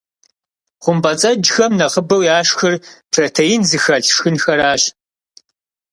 ХъумпӀэцӀэджхэм нэхъыбэу яшхыр протеин зыхэлъ шхынхэращ.